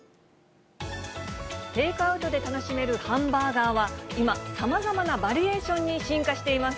テイクアウトで楽しめるハンバーガーは今、さまざまなバリエーションに進化しています。